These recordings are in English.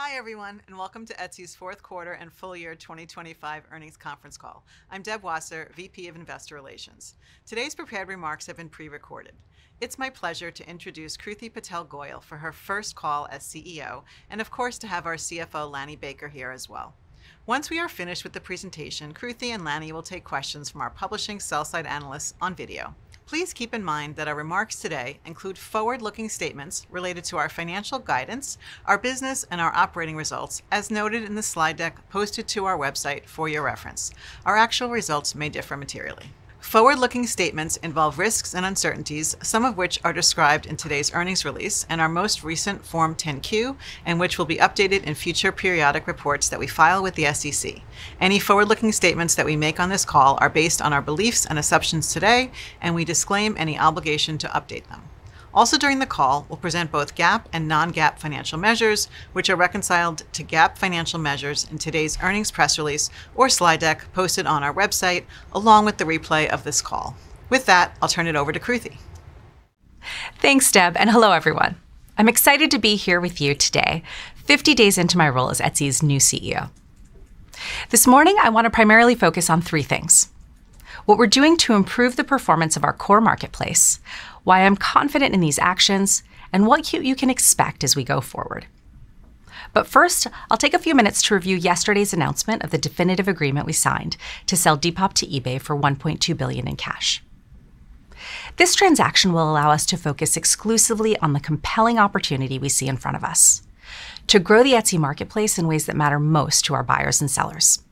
Hi, everyone, and welcome to Etsy's fourth quarter and full year 2025 earnings conference call. I'm Deb Wasser, VP of Investor Relations. Today's prepared remarks have been pre-recorded. It's my pleasure to introduce Kruti Patel Goyal for her first call as CEO, and of course, to have our CFO, Lanny Baker, here as well. Once we are finished with the presentation, Kruti and Lanny will take questions from our publishing sell-side analysts on video. Please keep in mind that our remarks today include forward-looking statements related to our financial guidance, our business, and our operating results, as noted in the slide deck posted to our website for your reference. Our actual results may differ materially. Forward-looking statements involve risks and uncertainties, some of which are described in today's earnings release and our most recent Form 10-Q, and which will be updated in future periodic reports that we file with the SEC. Any forward-looking statements that we make on this call are based on our beliefs and assumptions today, and we disclaim any obligation to update them. Also, during the call, we'll present both GAAP and non-GAAP financial measures, which are reconciled to GAAP financial measures in today's earnings press release or slide deck posted on our website, along with the replay of this call. With that, I'll turn it over to Kruti. Thanks, Deb, and hello, everyone. I'm excited to be here with you today, 50 days into my role as Etsy's new CEO. This morning, I want to primarily focus on three things: what we're doing to improve the performance of our core marketplace, why I'm confident in these actions, and what you can expect as we go forward. But first, I'll take a few minutes to review yesterday's announcement of the definitive agreement we signed to sell Depop to eBay for $1.2 billion in cash. This transaction will allow us to focus exclusively on the compelling opportunity we see in front of us, to grow the Etsy marketplace in ways that matter most to our buyers and sellers.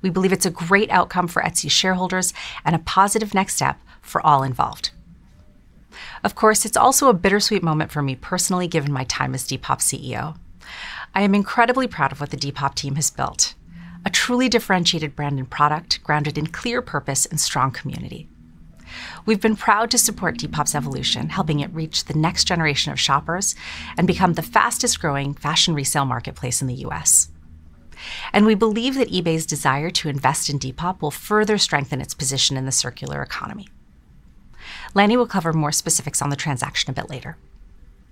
We believe it's a great outcome for Etsy shareholders and a positive next step for all involved. Of course, it's also a bittersweet moment for me personally, given my time as Depop's CEO. I am incredibly proud of what the Depop team has built, a truly differentiated brand and product, grounded in clear purpose and strong community. We've been proud to support Depop's evolution, helping it reach the next generation of shoppers and become the fastest-growing fashion resale marketplace in the U.S. And we believe that eBay's desire to invest in Depop will further strengthen its position in the circular economy. Lanny will cover more specifics on the transaction a bit later.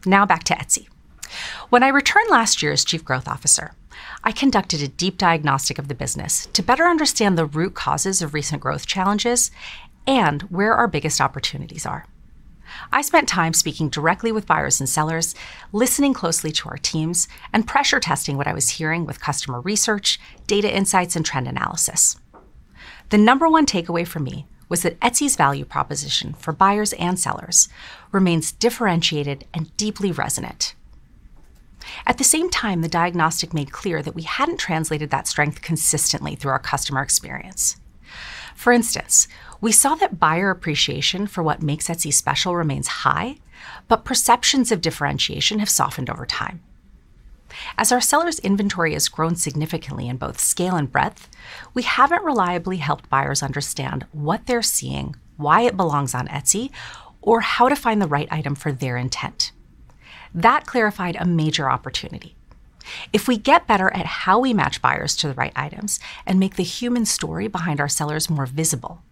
Now, back to Etsy. When I returned last year as Chief Growth Officer, I conducted a deep diagnostic of the business to better understand the root causes of recent growth challenges and where our biggest opportunities are. I spent time speaking directly with buyers and sellers, listening closely to our teams, and pressure testing what I was hearing with customer research, data insights, and trend analysis. The number one takeaway for me was that Etsy's value proposition for buyers and sellers remains differentiated and deeply resonant. At the same time, the diagnostic made clear that we hadn't translated that strength consistently through our customer experience. For instance, we saw that buyer appreciation for what makes Etsy special remains high, but perceptions of differentiation have softened over time. As our sellers' inventory has grown significantly in both scale and breadth, we haven't reliably helped buyers understand what they're seeing, why it belongs on Etsy, or how to find the right item for their intent. That clarified a major opportunity. If we get better at how we match buyers to the right items and make the human story behind our sellers more visible,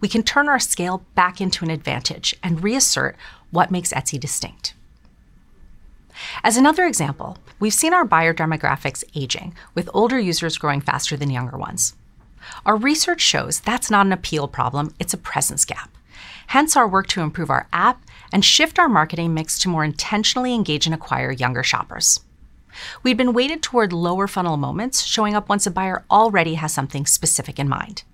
we can turn our scale back into an advantage and reassert what makes Etsy distinct. As another example, we've seen our buyer demographics aging, with older users growing faster than younger ones. Our research shows that's not an appeal problem, it's a presence gap, hence our work to improve our app and shift our marketing mix to more intentionally engage and acquire younger shoppers. We've been weighted toward lower-funnel moments, showing up once a buyer already has something specific in mind.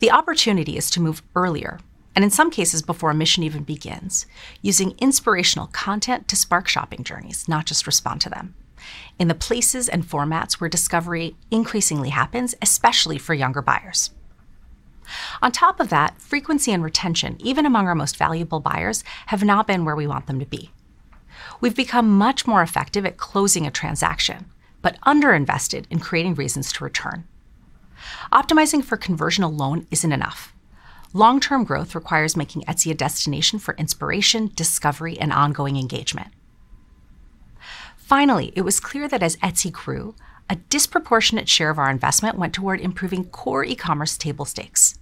The opportunity is to move earlier, and in some cases, before a mission even begins, using inspirational content to spark shopping journeys, not just respond to them, in the places and formats where discovery increasingly happens, especially for younger buyers. On top of that, frequency and retention, even among our most valuable buyers, have not been where we want them to be. We've become much more effective at closing a transaction, but underinvested in creating reasons to return. Optimizing for conversion alone isn't enough. Long-term growth requires making Etsy a destination for inspiration, discovery, and ongoing engagement. Finally, it was clear that as Etsy grew, a disproportionate share of our investment went toward improving core e-commerce table stakes,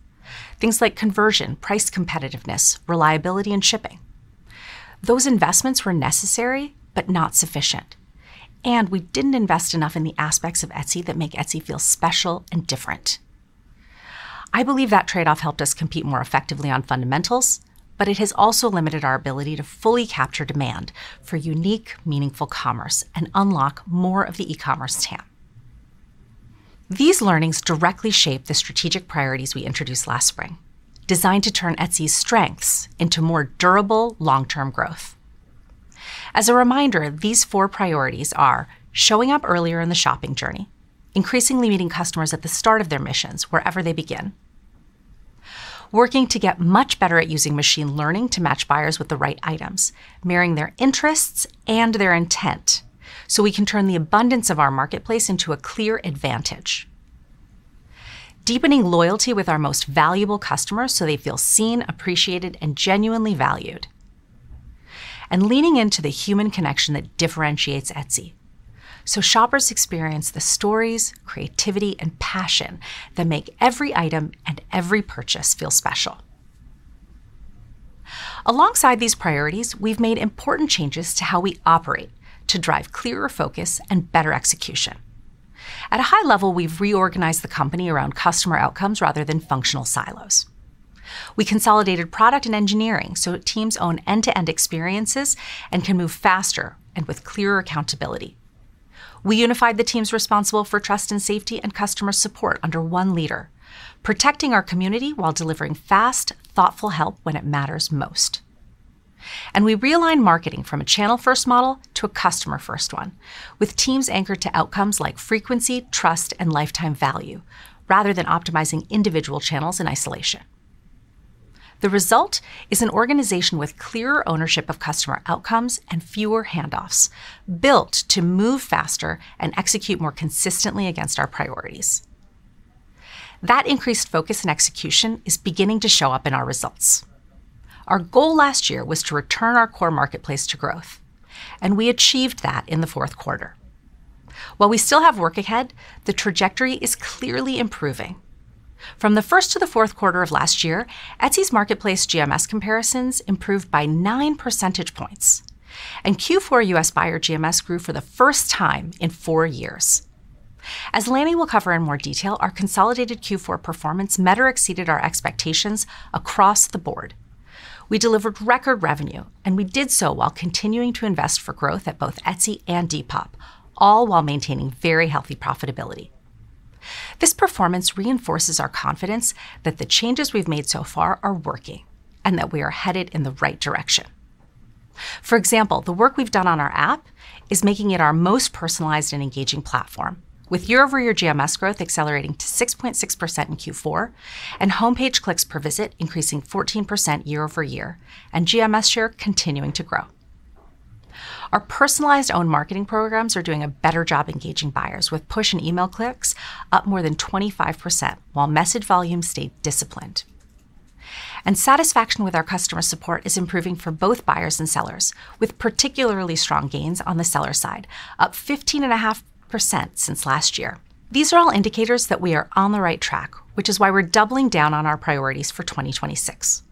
things like conversion, price competitiveness, reliability, and shipping. Those investments were necessary but not sufficient, and we didn't invest enough in the aspects of Etsy that make Etsy feel special and different. I believe that trade-off helped us compete more effectively on fundamentals, but it has also limited our ability to fully capture demand for unique, meaningful commerce and unlock more of the e-commerce TAM. These learnings directly shape the strategic priorities we introduced last spring, designed to turn Etsy's strengths into more durable, long-term growth. As a reminder, these four priorities are: showing up earlier in the shopping journey, increasingly meeting customers at the start of their missions, wherever they begin. Working to get much better at using machine learning to match buyers with the right items, marrying their interests and their intent, so we can turn the abundance of our marketplace into a clear advantage. Deepening loyalty with our most valuable customers, so they feel seen, appreciated, and genuinely valued. And leaning into the human connection that differentiates Etsy, so shoppers experience the stories, creativity, and passion that make every item and every purchase feel special.... Alongside these priorities, we've made important changes to how we operate to drive clearer focus and better execution. At a high level, we've reorganized the company around customer outcomes rather than functional silos. We consolidated product and engineering, so teams own end-to-end experiences and can move faster and with clearer accountability. We unified the teams responsible for trust and safety and customer support under one leader, protecting our community while delivering fast, thoughtful help when it matters most. And we realigned marketing from a channel-first model to a customer-first one, with teams anchored to outcomes like frequency, trust, and lifetime value, rather than optimizing individual channels in isolation. The result is an organization with clearer ownership of customer outcomes and fewer handoffs, built to move faster and execute more consistently against our priorities. That increased focus and execution is beginning to show up in our results. Our goal last year was to return our core marketplace to growth, and we achieved that in the fourth quarter. While we still have work ahead, the trajectory is clearly improving. From the first to the fourth quarter of last year, Etsy's marketplace GMS comparisons improved by 9 percentage points, and Q4 U.S. buyer GMS grew for the first time in four years. As Lanny will cover in more detail, our consolidated Q4 performance met or exceeded our expectations across the board. We delivered record revenue, and we did so while continuing to invest for growth at both Etsy and Depop, all while maintaining very healthy profitability. This performance reinforces our confidence that the changes we've made so far are working, and that we are headed in the right direction. For example, the work we've done on our app is making it our most personalized and engaging platform, with year-over-year GMS growth accelerating to 6.6% in Q4, and homepage clicks per visit increasing 14% year-over-year, and GMS share continuing to grow. Our personalized owned marketing programs are doing a better job engaging buyers, with push and email clicks up more than 25%, while message volume stayed disciplined. And satisfaction with our customer support is improving for both buyers and sellers, with particularly strong gains on the seller side, up 15.5% since last year. These are all indicators that we are on the right track, which is why we're doubling down on our priorities for 2026.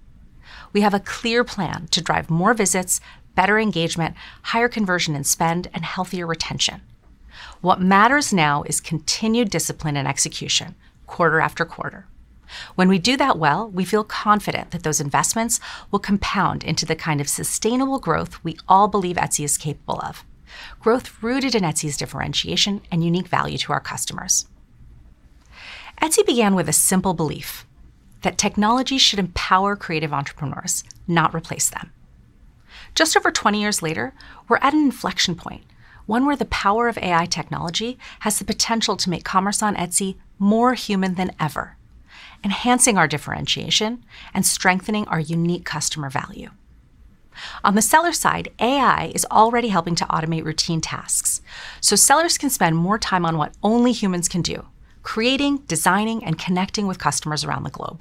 We have a clear plan to drive more visits, better engagement, higher conversion and spend, and healthier retention. What matters now is continued discipline and execution quarter after quarter. When we do that well, we feel confident that those investments will compound into the kind of sustainable growth we all believe Etsy is capable of. Growth rooted in Etsy's differentiation and unique value to our customers. Etsy began with a simple belief: that technology should empower creative entrepreneurs, not replace them. Just over 20 years later, we're at an inflection point, one where the power of AI technology has the potential to make commerce on Etsy more human than ever, enhancing our differentiation and strengthening our unique customer value. On the seller side, AI is already helping to automate routine tasks, so sellers can spend more time on what only humans can do, creating, designing, and connecting with customers around the globe.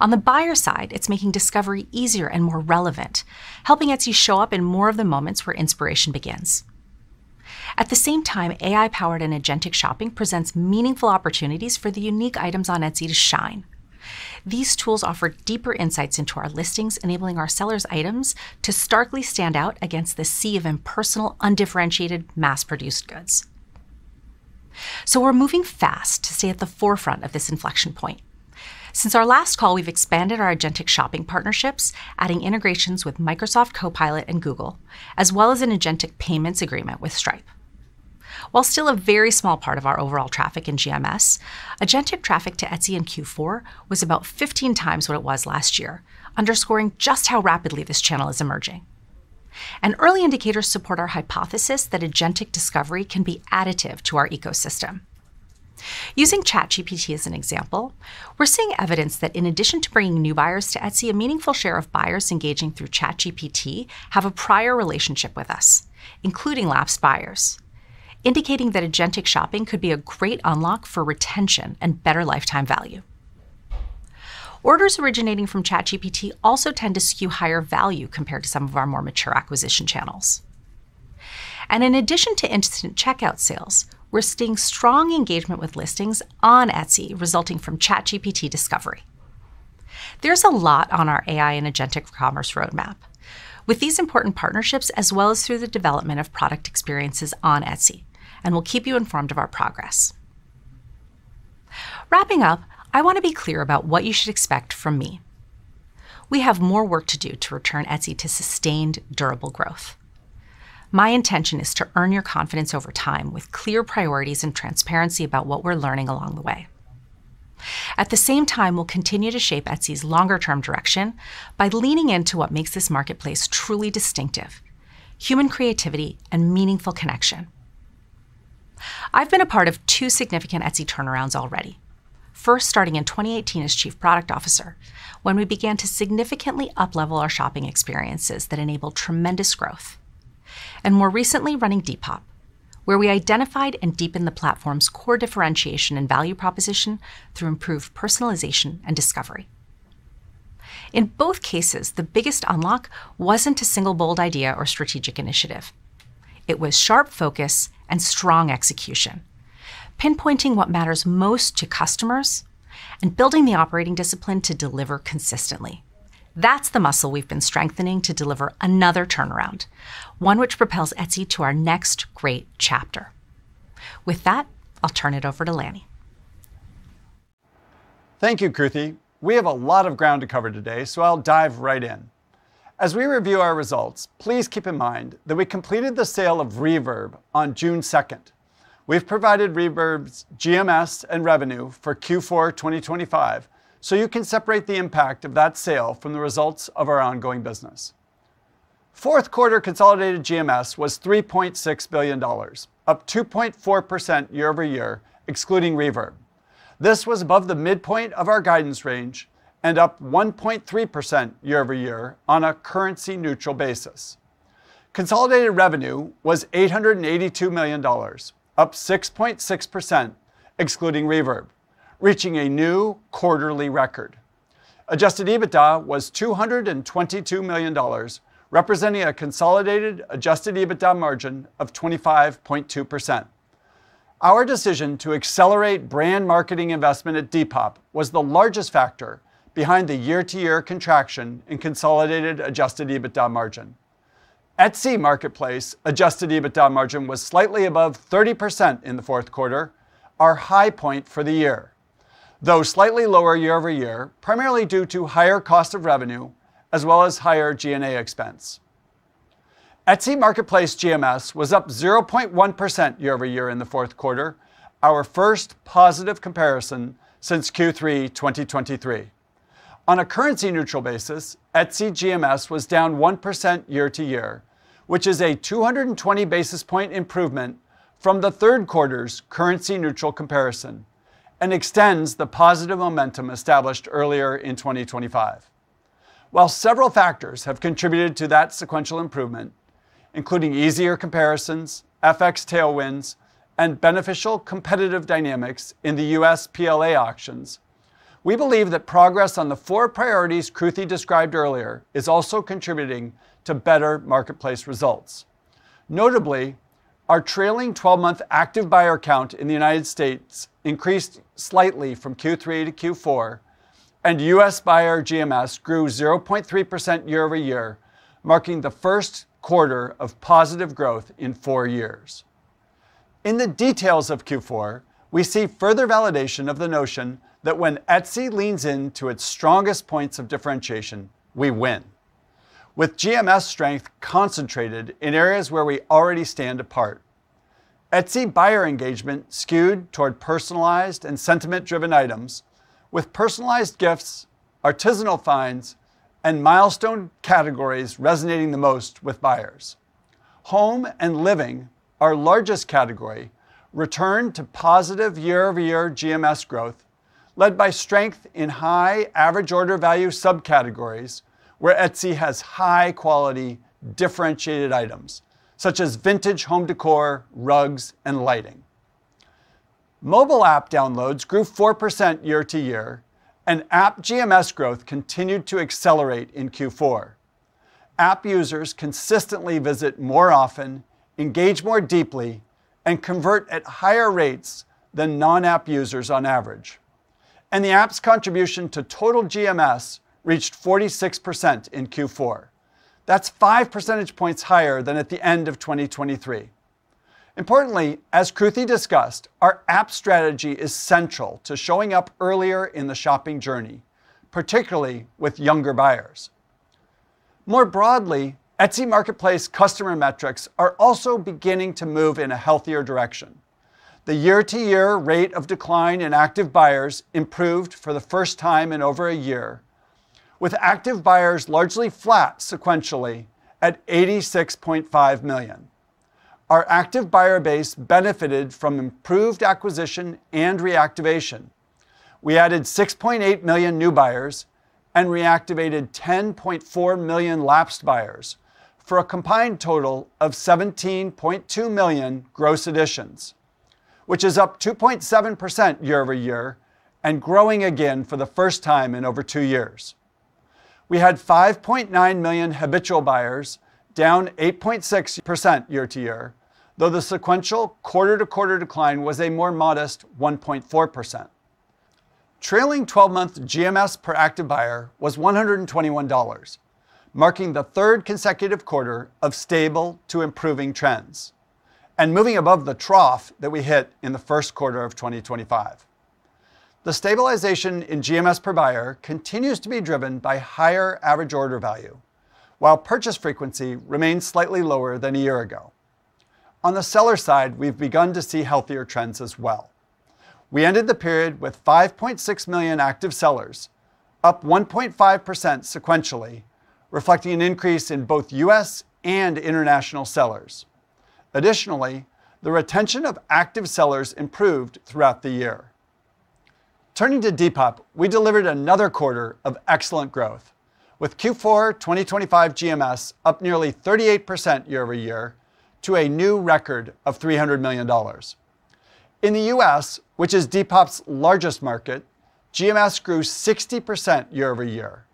On the buyer side, it's making discovery easier and more relevant, helping Etsy show up in more of the moments where inspiration begins. At the same time, AI-powered and agentic shopping presents meaningful opportunities for the unique items on Etsy to shine. These tools offer deeper insights into our listings, enabling our sellers' items to starkly stand out against the sea of impersonal, undifferentiated, mass-produced goods. So we're moving fast to stay at the forefront of this inflection point. Since our last call, we've expanded our agentic shopping partnerships, adding integrations with Microsoft Copilot and Google, as well as an agentic payments agreement with Stripe. While still a very small part of our overall traffic in GMS, agentic traffic to Etsy in Q4 was about 15x what it was last year, underscoring just how rapidly this channel is emerging. Early indicators support our hypothesis that agentic discovery can be additive to our ecosystem. Using ChatGPT as an example, we're seeing evidence that in addition to bringing new buyers to Etsy, a meaningful share of buyers engaging through ChatGPT have a prior relationship with us, including lapsed buyers, indicating that agentic shopping could be a great unlock for retention and better lifetime value. Orders originating from ChatGPT also tend to skew higher value compared to some of our more mature acquisition channels. In addition to instant checkout sales, we're seeing strong engagement with listings on Etsy, resulting from ChatGPT discovery. There's a lot on our AI and agentic commerce roadmap. With these important partnerships, as well as through the development of product experiences on Etsy, and we'll keep you informed of our progress. Wrapping up, I want to be clear about what you should expect from me. We have more work to do to return Etsy to sustained, durable growth. My intention is to earn your confidence over time with clear priorities and transparency about what we're learning along the way. At the same time, we'll continue to shape Etsy's longer term direction by leaning into what makes this marketplace truly distinctive: human creativity and meaningful connection. I've been a part of two significant Etsy turnarounds already. First, starting in 2018 as Chief Product Officer, when we began to significantly uplevel our shopping experiences that enabled tremendous growth. More recently, running Depop, where we identified and deepened the platform's core differentiation and value proposition through improved personalization and discovery. In both cases, the biggest unlock wasn't a single bold idea or strategic initiative... It was sharp focus and strong execution. Pinpointing what matters most to customers and building the operating discipline to deliver consistently, that's the muscle we've been strengthening to deliver another turnaround, one which propels Etsy to our next great chapter. With that, I'll turn it over to Lanny. Thank you, Kruti. We have a lot of ground to cover today, so I'll dive right in. As we review our results, please keep in mind that we completed the sale of Reverb on June 2nd. We've provided Reverb's GMS and revenue for Q4 2025, so you can separate the impact of that sale from the results of our ongoing business. Fourth quarter consolidated GMS was $3.6 billion, up 2.4% year-over-year, excluding Reverb. This was above the midpoint of our guidance range and up 1.3% year-over-year on a currency-neutral basis. Consolidated revenue was $882 million, up 6.6%, excluding Reverb, reaching a new quarterly record. Adjusted EBITDA was $222 million, representing a consolidated adjusted EBITDA margin of 25.2%. Our decision to accelerate brand marketing investment at Depop was the largest factor behind the year-to-year contraction in consolidated adjusted EBITDA margin. Etsy Marketplace adjusted EBITDA margin was slightly above 30% in the fourth quarter, our high point for the year, though slightly lower year-over-year, primarily due to higher cost of revenue as well as higher G&A expense. Etsy Marketplace GMS was up 0.1% year-over-year in the fourth quarter, our first positive comparison since Q3 2023. On a currency-neutral basis, Etsy GMS was down 1% year-over-year, which is a 220 basis point improvement from the third quarter's currency-neutral comparison and extends the positive momentum established earlier in 2025. While several factors have contributed to that sequential improvement, including easier comparisons, FX tailwinds, and beneficial competitive dynamics in the U.S. PLA auctions, we believe that progress on the four priorities Kruti described earlier is also contributing to better marketplace results. Notably, our trailing 12-month active buyer count in the United States increased slightly from Q3 to Q4, and U.S. buyer GMS grew 0.3% year-over-year, marking the first quarter of positive growth in four years. In the details of Q4, we see further validation of the notion that when Etsy leans into its strongest points of differentiation, we win. With GMS strength concentrated in areas where we already stand apart, Etsy buyer engagement skewed toward personalized and sentiment-driven items, with personalized gifts, artisanal finds, and milestone categories resonating the most with buyers. Home and living, our largest category, returned to positive year-over-year GMS growth, led by strength in high average order value subcategories, where Etsy has high-quality, differentiated items, such as vintage home decor, rugs, and lighting. Mobile app downloads grew 4% year-over-year, and app GMS growth continued to accelerate in Q4. App users consistently visit more often, engage more deeply, and convert at higher rates than non-app users on average, and the app's contribution to total GMS reached 46% in Q4. That's 5 percentage points higher than at the end of 2023. Importantly, as Kruti discussed, our app strategy is central to showing up earlier in the shopping journey, particularly with younger buyers. More broadly, Etsy Marketplace customer metrics are also beginning to move in a healthier direction. The year-over-year rate of decline in active buyers improved for the first time in over a year, with active buyers largely flat sequentially at 86.5 million. Our active buyer base benefited from improved acquisition and reactivation. We added 6.8 million new buyers and reactivated 10.4 million lapsed buyers, for a combined total of 17.2 million gross additions, which is up 2.7% year-over-year and growing again for the first time in over two years. We had 5.9 million habitual buyers, down 8.6% year-over-year, though the sequential quarter-over-quarter decline was a more modest 1.4%. Trailing 12-month GMS per active buyer was $121, marking the third consecutive quarter of stable to improving trends and moving above the trough that we hit in the first quarter of 2025. The stabilization in GMS per buyer continues to be driven by higher average order value, while purchase frequency remains slightly lower than a year ago. On the seller side, we've begun to see healthier trends as well. We ended the period with 5.6 million active sellers, up 1.5% sequentially, reflecting an increase in both U.S. and international sellers. Additionally, the retention of active sellers improved throughout the year. Turning to Depop, we delivered another quarter of excellent growth, with Q4 2025 GMS up nearly 38% year-over-year to a new record of $300 million. In the U.S., which is Depop's largest market, GMS grew 60% year-over-year.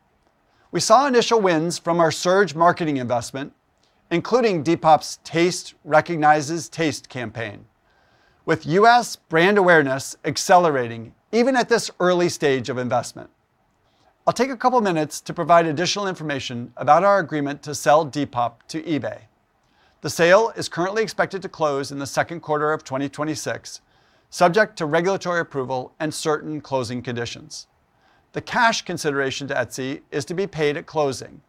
We saw initial wins from our surge marketing investment, including Depop's Taste Recognizes Taste campaign, with U.S. brand awareness accelerating even at this early stage of investment. I'll take a couple minutes to provide additional information about our agreement to sell Depop to eBay. The sale is currently expected to close in the second quarter of 2026, subject to regulatory approval and certain closing conditions. The cash consideration to Etsy is to be paid at closing,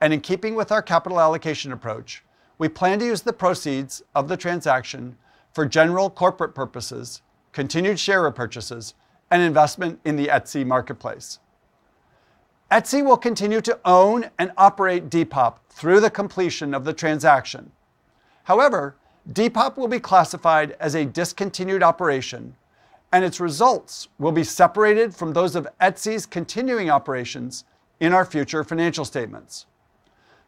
and in keeping with our capital allocation approach, we plan to use the proceeds of the transaction for general corporate purposes, continued share repurchases, and investment in the Etsy marketplace. Etsy will continue to own and operate Depop through the completion of the transaction. However, Depop will be classified as a discontinued operation, and its results will be separated from those of Etsy's continuing operations in our future financial statements.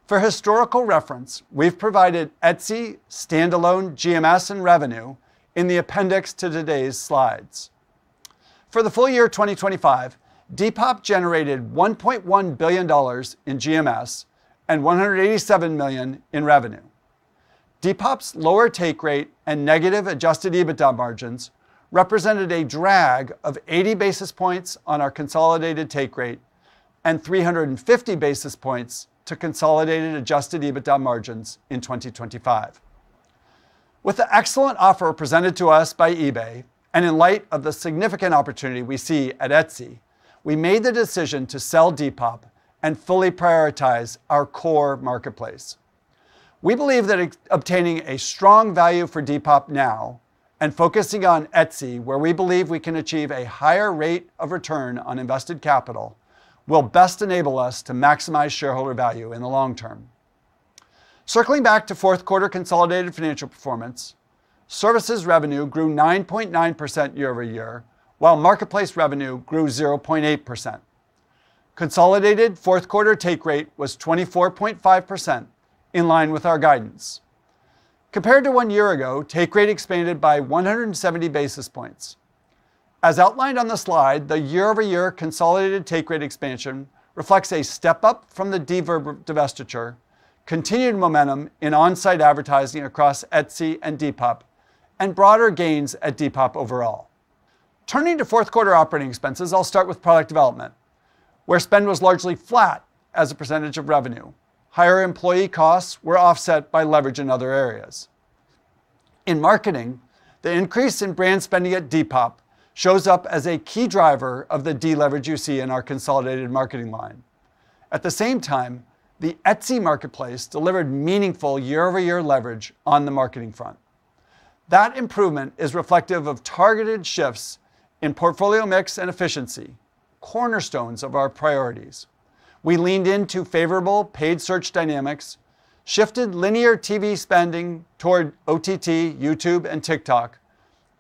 For historical reference, we've provided Etsy standalone GMS and revenue in the appendix to today's slides. For the full year 2025, Depop generated $1.1 billion in GMS and $187 million in revenue. Depop's lower take rate and negative adjusted EBITDA margins represented a drag of 80 basis points on our consolidated take rate and 350 basis points to consolidated adjusted EBITDA margins in 2025. With the excellent offer presented to us by eBay, and in light of the significant opportunity we see at Etsy, we made the decision to sell Depop and fully prioritize our core marketplace. We believe that obtaining a strong value for Depop now and focusing on Etsy, where we believe we can achieve a higher rate of return on invested capital, will best enable us to maximize shareholder value in the long term. Circling back to fourth quarter consolidated financial performance, services revenue grew 9.9% year-over-year, while marketplace revenue grew 0.8%. Consolidated fourth quarter take rate was 24.5%, in line with our guidance. Compared to one year ago, take rate expanded by 170 basis points. As outlined on the slide, the year-over-year consolidated take rate expansion reflects a step up from the Reverb divestiture, continued momentum in on-site advertising across Etsy and Depop, and broader gains at Depop overall. Turning to fourth quarter operating expenses, I'll start with product development, where spend was largely flat as a percentage of revenue. Higher employee costs were offset by leverage in other areas. In marketing, the increase in brand spending at Depop shows up as a key driver of the deleverage you see in our consolidated marketing line. At the same time, the Etsy marketplace delivered meaningful year-over-year leverage on the marketing front. That improvement is reflective of targeted shifts in portfolio mix and efficiency, cornerstones of our priorities. We leaned into favorable paid search dynamics, shifted linear TV spending toward OTT, YouTube, and TikTok,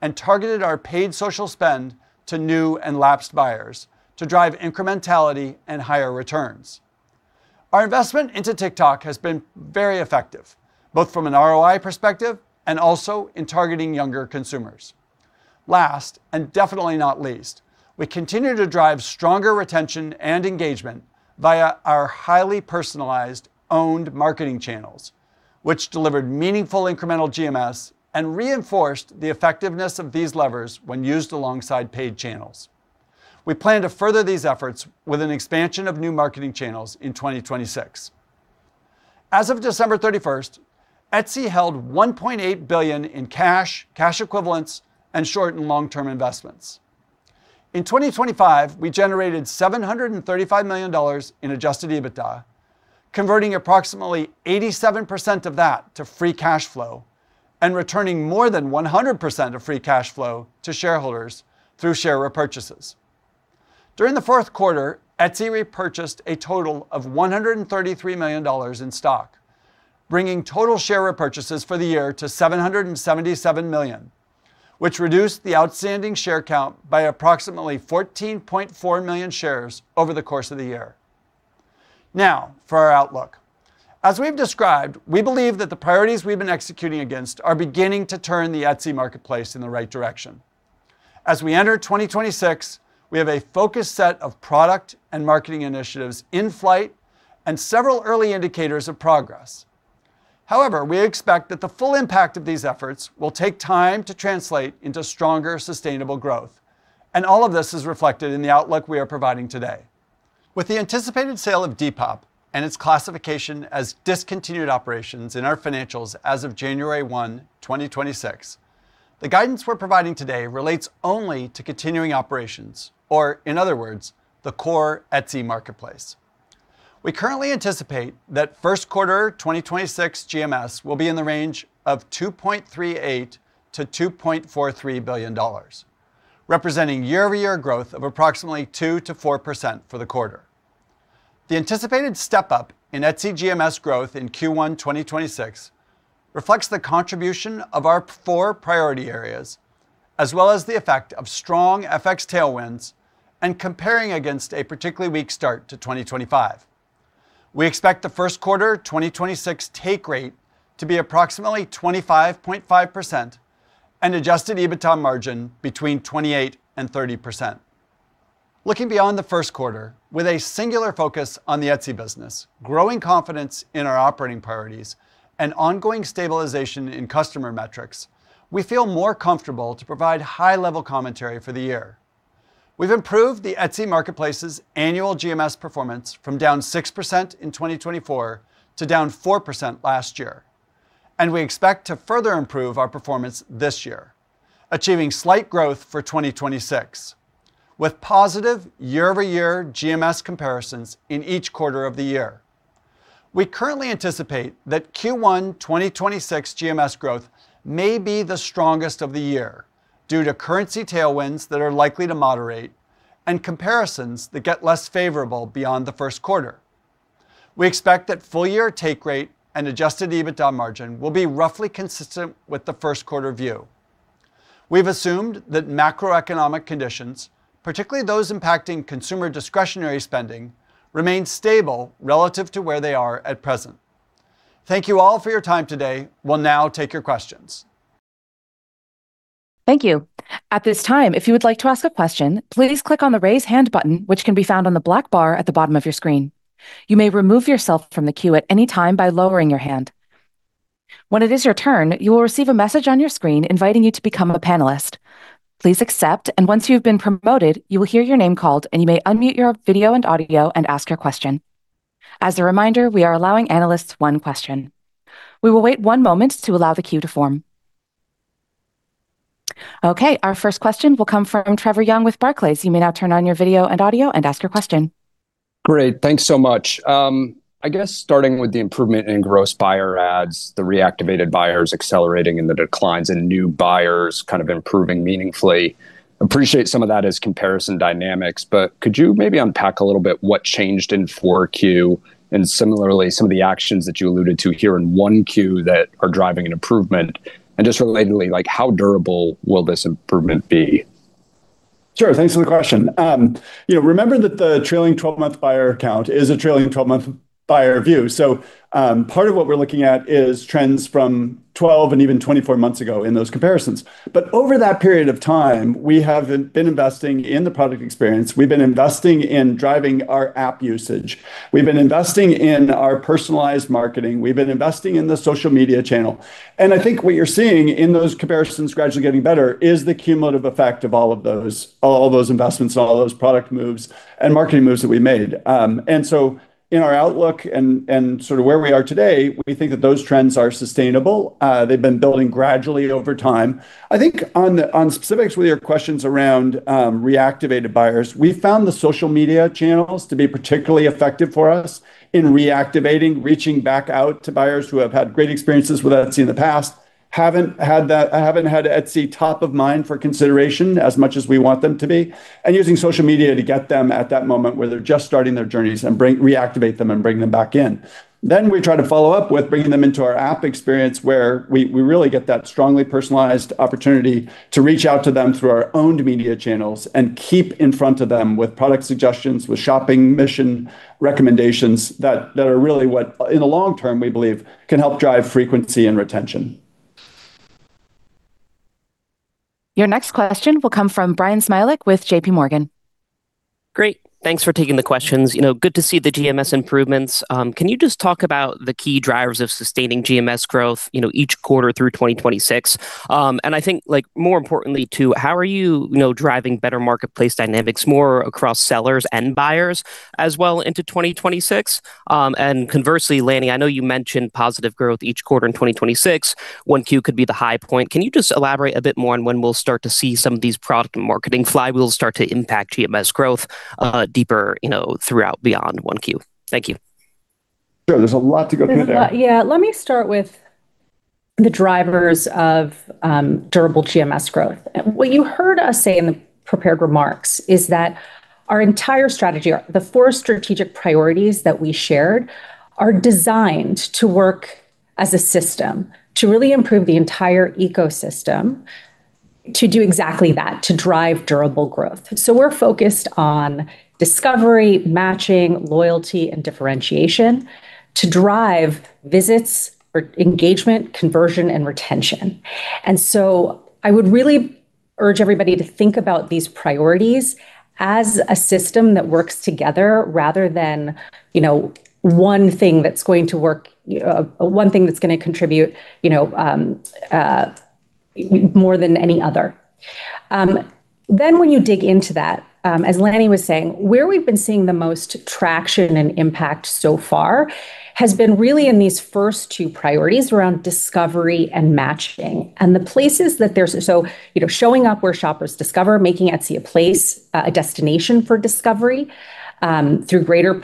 and targeted our paid social spend to new and lapsed buyers to drive incrementality and higher returns. Our investment into TikTok has been very effective, both from an ROI perspective and also in targeting younger consumers. Last, and definitely not least, we continue to drive stronger retention and engagement via our highly personalized owned marketing channels, which delivered meaningful incremental GMS and reinforced the effectiveness of these levers when used alongside paid channels. We plan to further these efforts with an expansion of new marketing channels in 2026. As of December 31st, Etsy held $1.8 billion in cash, cash equivalents, and short and long-term investments. In 2025, we generated $735 million in adjusted EBITDA, converting approximately 87% of that to free cash flow and returning more than 100% of free cash flow to shareholders through share repurchases. During the fourth quarter, Etsy repurchased a total of $133 million in stock, bringing total share repurchases for the year to $777 million, which reduced the outstanding share count by approximately 14.4 million shares over the course of the year. Now, for our outlook. As we've described, we believe that the priorities we've been executing against are beginning to turn the Etsy marketplace in the right direction. As we enter 2026, we have a focused set of product and marketing initiatives in flight and several early indicators of progress. However, we expect that the full impact of these efforts will take time to translate into stronger, sustainable growth, and all of this is reflected in the outlook we are providing today. With the anticipated sale of Depop and its classification as discontinued operations in our financials as of January 1st, 2026, the guidance we're providing today relates only to continuing operations, or in other words, the core Etsy marketplace. We currently anticipate that first quarter 2026 GMS will be in the range of $2.38 billion-$2.43 billion, representing year-over-year growth of approximately 2%-4% for the quarter. The anticipated step-up in Etsy GMS growth in Q1 2026 reflects the contribution of our four priority areas, as well as the effect of strong FX tailwinds and comparing against a particularly weak start to 2025. We expect the first quarter 2026 take rate to be approximately 25.5% and adjusted EBITDA margin between 28%-30%. Looking beyond the first quarter, with a singular focus on the Etsy business, growing confidence in our operating priorities, and ongoing stabilization in customer metrics, we feel more comfortable to provide high-level commentary for the year. We've improved the Etsy marketplace's annual GMS performance from down 6% in 2024 to down 4% last year, and we expect to further improve our performance this year, achieving slight growth for 2026, with positive year-over-year GMS comparisons in each quarter of the year. We currently anticipate that Q1 2026 GMS growth may be the strongest of the year, due to currency tailwinds that are likely to moderate and comparisons that get less favorable beyond the first quarter. We expect that full-year take rate and adjusted EBITDA margin will be roughly consistent with the first quarter view. We've assumed that macroeconomic conditions, particularly those impacting consumer discretionary spending, remain stable relative to where they are at present. Thank you all for your time today. We'll now take your questions. Thank you. At this time, if you would like to ask a question, please click on the Raise Hand button, which can be found on the black bar at the bottom of your screen. You may remove yourself from the queue at any time by lowering your hand. When it is your turn, you will receive a message on your screen inviting you to become a panelist. Please accept, and once you've been promoted, you will hear your name called, and you may unmute your video and audio and ask your question. As a reminder, we are allowing analysts one question. We will wait one moment to allow the queue to form. Okay, our first question will come from Trevor Young with Barclays. You may now turn on your video and audio and ask your question. Great. Thanks so much. I guess starting with the improvement in gross buyer adds, the reactivated buyers accelerating, and the declines in new buyers kind of improving meaningfully, appreciate some of that as comparison dynamics, but could you maybe unpack a little bit what changed in Q4? And similarly, some of the actions that you alluded to here in Q1 that are driving an improvement, and just relatedly, like, how durable will this improvement be? Sure. Thanks for the question. You know, remember that the trailing 12-month buyer count is a trailing 12-month buyer view, so part of what we're looking at is trends from 12 and even 24 months ago in those comparisons. But over that period of time, we have been investing in the product experience. We've been investing in driving our app usage. We've been investing in our personalized marketing. We've been investing in the social media channel. And I think what you're seeing in those comparisons gradually getting better is the cumulative effect of all of those, all of those investments, all those product moves and marketing moves that we made. And so in our outlook and sort of where we are today, we think that those trends are sustainable. They've been building gradually over time. I think on the specifics with your questions around reactivated buyers, we found the social media channels to be particularly effective for us in reactivating, reaching back out to buyers who have had great experiences with Etsy in the past, haven't had Etsy top of mind for consideration as much as we want them to be, and using social media to get them at that moment where they're just starting their journeys and reactivate them and bring them back in. Then we try to follow up with bringing them into our app experience, where we really get that strongly personalized opportunity to reach out to them through our own media channels and keep in front of them with product suggestions, with shopping mission recommendations that are really what, in the long term, we believe can help drive frequency and retention. Your next question will come from Bryan Smilek with JPMorgan. Great. Thanks for taking the questions. You know, good to see the GMS improvements. Can you just talk about the key drivers of sustaining GMS growth, you know, each quarter through 2026? And I think, like, more importantly, too, how are you, you know, driving better marketplace dynamics more across sellers and buyers as well into 2026? And conversely, Lanny, I know you mentioned positive growth each quarter in 2026, Q1 could be the high point. Can you just elaborate a bit more on when we'll start to see some of these product and marketing flywheels start to impact GMS growth, deeper, you know, throughout beyond Q1? Thank you. Sure. There's a lot to go through there. There's a lot. Yeah. Let me start with the drivers of durable GMS growth. What you heard us say in the prepared remarks is that our entire strategy, the four strategic priorities that we shared, are designed to work as a system to really improve the entire ecosystem, to do exactly that, to drive durable growth. So we're focused on discovery, matching, loyalty, and differentiation to drive visits or engagement, conversion, and retention. And so I would really urge everybody to think about these priorities as a system that works together rather than, you know, one thing that's going to work, one thing that's gonna contribute, you know, more than any other. Then when you dig into that, as Lanny was saying, where we've been seeing the most traction and impact so far, has been really in these first two priorities around discovery and matching. And the places that there's so, you know, showing up where shoppers discover, making Etsy a place, a destination for discovery, through greater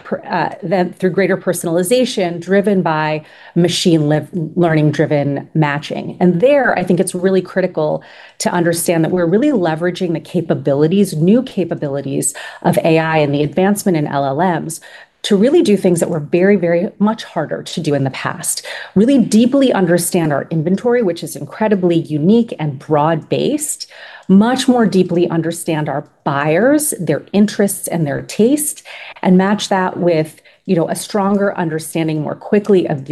personalization, driven by machine learning-driven matching. And there, I think it's really critical to understand that we're really leveraging the capabilities, new capabilities of AI and the advancement in LLMs, to really do things that were very, very much harder to do in the past. Really deeply understand our inventory, which is incredibly unique and broad-based. Much more deeply understand our buyers, their interests, and their taste, and match that with, you know, a stronger understanding more quickly of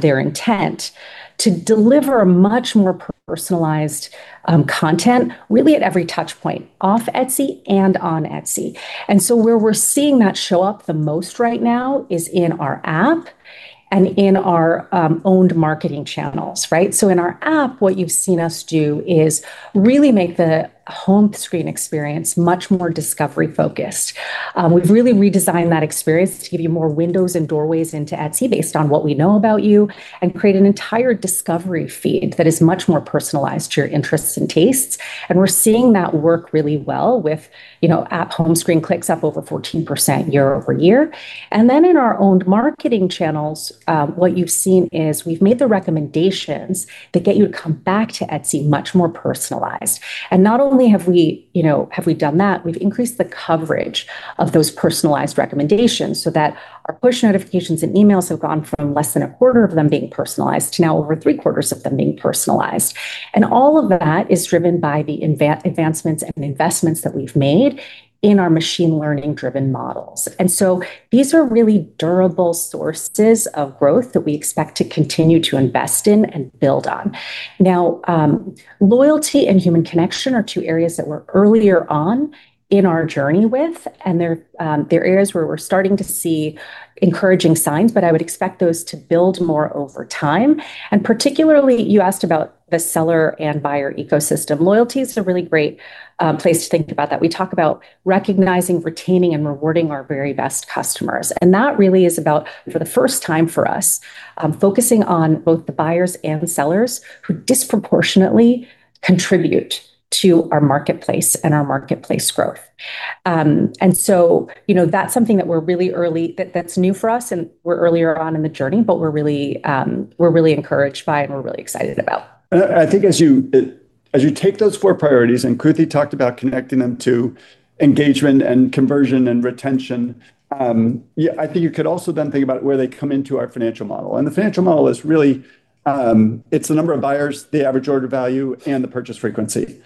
their intent, to deliver a much more personalized content, really, at every touch point, off Etsy and on Etsy. So where we're seeing that show up the most right now is in our app and in our owned marketing channels, right? In our app, what you've seen us do is really make the home screen experience much more discovery focused. We've really redesigned that experience to give you more windows and doorways into Etsy based on what we know about you, and create an entire discovery feed that is much more personalized to your interests and tastes. We're seeing that work really well with, you know, app home screen clicks up over 14% year-over-year. In our owned marketing channels, what you've seen is we've made the recommendations that get you to come back to Etsy much more personalized. And not only have we, you know, have we done that, we've increased the coverage of those personalized recommendations so that our push notifications and emails have gone from less than a quarter of them being personalized, to now over three quarters of them being personalized. And all of that is driven by the advancements and investments that we've made in our machine learning-driven models. And so these are really durable sources of growth that we expect to continue to invest in and build on. Now, loyalty and human connection are two areas that we're earlier on in our journey with, and they're, they're areas where we're starting to see encouraging signs, but I would expect those to build more over time. And particularly, you asked about the seller and buyer ecosystem. Loyalty is a really great place to think about that. We talk about recognizing, retaining, and rewarding our very best customers, and that really is about, for the first time for us, focusing on both the buyers and sellers who disproportionately contribute to our marketplace and our marketplace growth. And so, you know, that's something that's new for us, and we're earlier on in the journey, but we're really, we're really encouraged by it, and we're really excited about. I think as you take those four priorities, and Kruti talked about connecting them to engagement, and conversion, and retention, yeah, I think you could also then think about where they come into our financial model. The financial model is really, it's the number of buyers, the average order value, and the purchase frequency.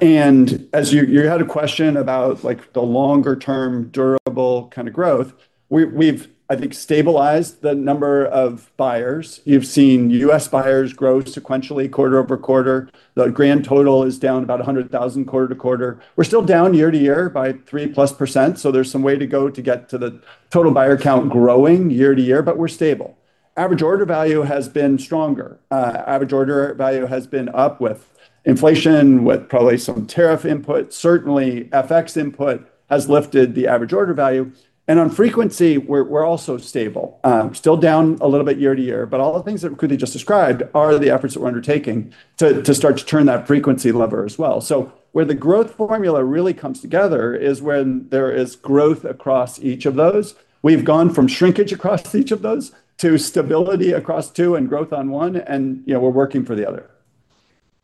And as you had a question about, like, the longer term, durable kind of growth, we've, I think, stabilized the number of buyers. You've seen U.S. buyers grow sequentially, quarter-over-quarter. The grand total is down about 100,000 quarter-over-quarter. We're still down year-over-year by 3%+, so there's some way to go to get to the total buyer count growing year-over-year, but we're stable. Average order value has been stronger. Average order value has been up with inflation, with probably some tariff input. Certainly, FX input has lifted the average order value. And on frequency, we're also stable. Still down a little bit year-over-year, but all the things that Kruti just described are the efforts that we're undertaking to start to turn that frequency lever as well. So where the growth formula really comes together is when there is growth across each of those. We've gone from shrinkage across each of those to stability across two and growth on one, and, you know, we're working for the other.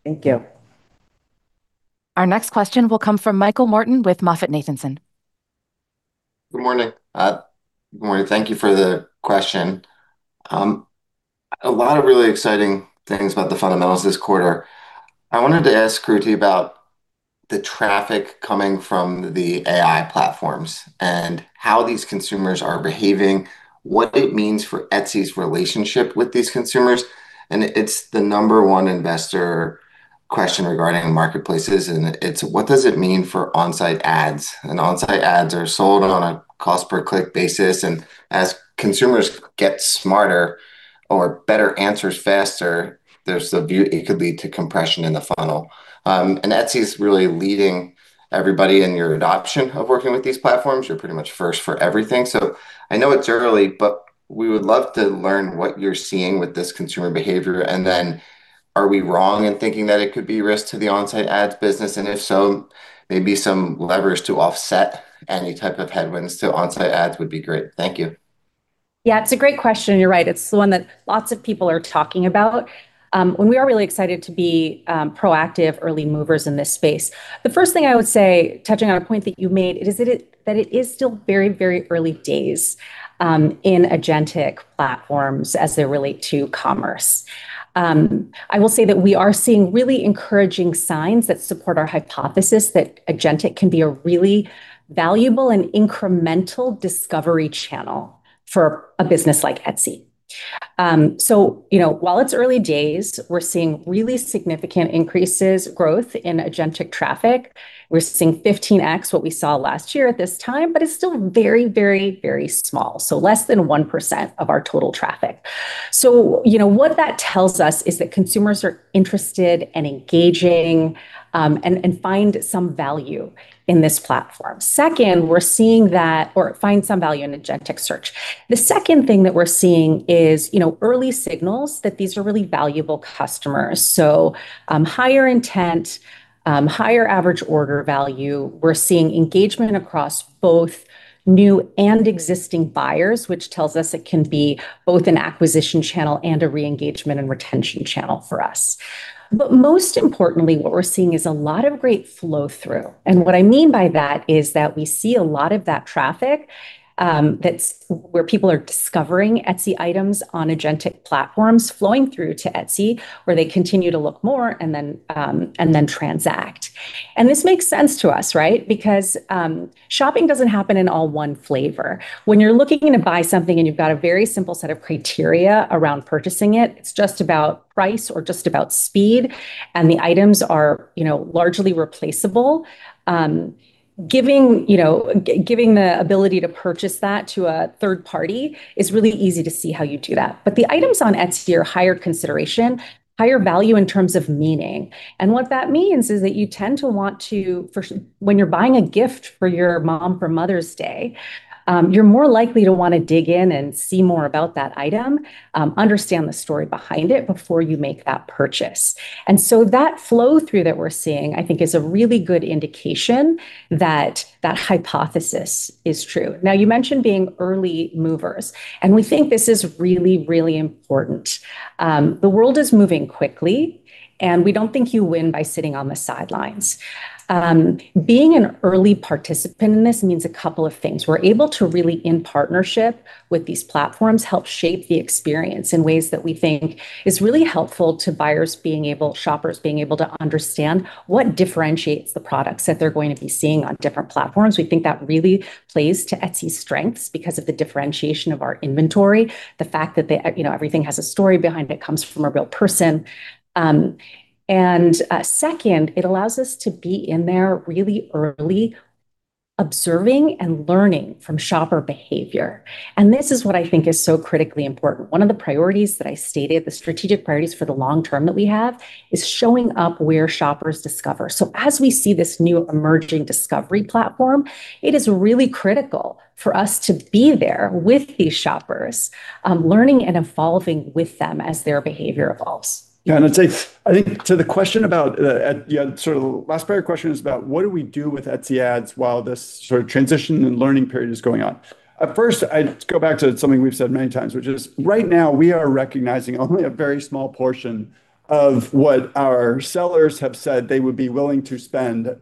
Thank you. Our next question will come from Michael Morton with MoffettNathanson. Good morning. Good morning. Thank you for the question. A lot of really exciting things about the fundamentals this quarter. I wanted to ask Kruti about the traffic coming from the AI platforms, and how these consumers are behaving, what it means for Etsy's relationship with these consumers. And it's the number one investor question regarding marketplaces, and it's what does it mean for on-site ads? And on-site ads are sold on a cost per click basis, and as consumers get smarter or better answers faster, there's the view it could lead to compression in the funnel. And Etsy is really leading everybody in your adoption of working with these platforms. You're pretty much first for everything. I know it's early, but we would love to learn what you're seeing with this consumer behavior, and then are we wrong in thinking that it could be risk to the on-site ads business? If so, maybe some levers to offset any type of headwinds to on-site ads would be great. Thank you. Yeah, it's a great question. You're right. It's the one that lots of people are talking about. And we are really excited to be proactive early movers in this space. The first thing I would say, touching on a point that you made, is that it, that it is still very, very early days in agentic platforms as they relate to commerce. I will say that we are seeing really encouraging signs that support our hypothesis that agentic can be a really valuable and incremental discovery channel for a business like Etsy. So, you know, while it's early days, we're seeing really significant increases growth in agentic traffic. We're seeing 15x what we saw last year at this time, but it's still very, very, very small, so less than 1% of our total traffic. So, you know, what that tells us is that consumers are interested and engaging, and, and find some value in this platform. Second, we're seeing that or find some value in agentic search. The second thing that we're seeing is, you know, early signals that these are really valuable customers. So, higher intent, higher average order value. We're seeing engagement across both new and existing buyers, which tells us it can be both an acquisition channel and a re-engagement and retention channel for us. But most importantly, what we're seeing is a lot of great flow-through. And what I mean by that is that we see a lot of that traffic, that's where people are discovering Etsy items on agentic platforms flowing through to Etsy, where they continue to look more, and then, and then transact. And this makes sense to us, right? Because shopping doesn't happen in all one flavor. When you're looking to buy something, and you've got a very simple set of criteria around purchasing it, it's just about price or just about speed, and the items are, you know, largely replaceable. Giving, you know, giving the ability to purchase that to a third party is really easy to see how you do that. But the items on Etsy are higher consideration, higher value in terms of meaning. And what that means is that you tend to want to, first—when you're buying a gift for your mom for Mother's Day, you're more likely to want to dig in and see more about that item, understand the story behind it before you make that purchase. And so that flow-through that we're seeing, I think is a really good indication that that hypothesis is true. Now, you mentioned being early movers, and we think this is really, really important. The world is moving quickly, and we don't think you win by sitting on the sidelines. Being an early participant in this means a couple of things. We're able to really, in partnership with these platforms, help shape the experience in ways that we think is really helpful to shoppers being able to understand what differentiates the products that they're going to be seeing on different platforms. We think that really plays to Etsy's strengths because of the differentiation of our inventory, the fact that the, you know, everything has a story behind it, comes from a real person. And second, it allows us to be in there really early, observing and learning from shopper behavior, and this is what I think is so critically important. One of the priorities that I stated, the strategic priorities for the long term that we have, is showing up where shoppers discover. So as we see this new emerging discovery platform, it is really critical for us to be there with these shoppers, learning and evolving with them as their behavior evolves. Yeah, and it's, I think to the question about, yeah, sort of the last part of your question is about what do we do with Etsy Ads while this sort of transition and learning period is going on? At first, I'd go back to something we've said many times, which is right now we are recognizing only a very small portion of what our sellers have said they would be willing to spend